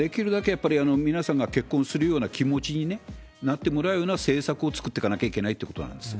やっぱり皆さんが結婚するような気持ちになってもらうような政策を作っていかなきゃいけないってことなんです。